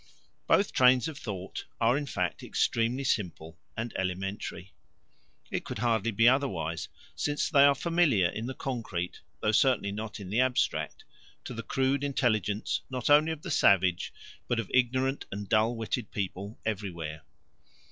Both trains of thought are in fact extremely simple and elementary. It could hardly be otherwise, since they are familiar in the concrete, though certainly not in the abstract, to the crude intelligence not only of the savage, but of ignorant and dull witted people everywhere.